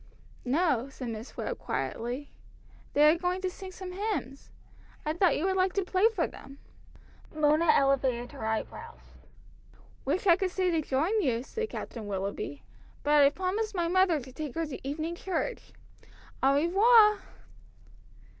"No," said Miss Webb quietly. "They are going to sing some hymns. I thought you would like to play for them." Mona elevated her eyebrows. "Wish I could stay to join you," said Captain Willoughby, "but I've promised my mother to take her to evening church. Au revoir!"